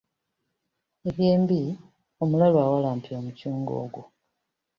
Eby'embi omulalu awalampye omucungwa ogwo.